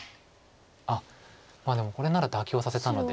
あっまあでもこれなら妥協させたので。